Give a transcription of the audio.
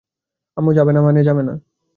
আম্মু যাবে না মানে যাবে না।